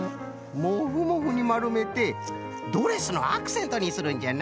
モフモフにまるめてドレスのアクセントにするんじゃな。